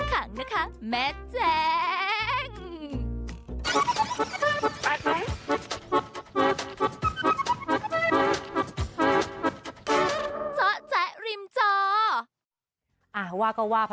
ต้องเติบให้แจงนะครับ